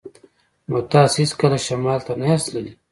نو تاسې هیڅکله شمال ته نه یاست تللي